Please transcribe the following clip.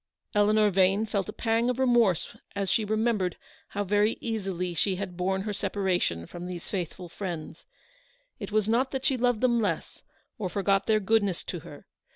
Eleanor Vane felt a pang of remorse as she remembered how very easily she had borne her separation from these faithful friends. It was not that she loved them less, or forgot their goodness to her.